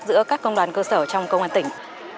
giữa các công đoàn cơ sở trong công an tỉnh